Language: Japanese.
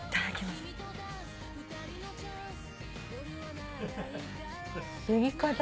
すいかだ。